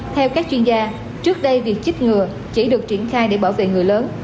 theo các chuyên gia trước đây việc chích ngừa chỉ được triển khai để bảo vệ người lớn